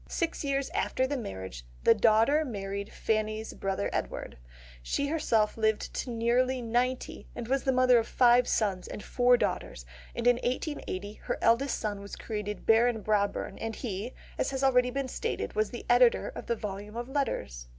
Six years after the marriage, the daughter married Fanny's brother Edward. She herself lived to nearly ninety, and was the mother of five sons and four daughters, and in 1880 her eldest son was created Baron Brabourne; and he, as has been already stated, was the editor of the volumes of Letters.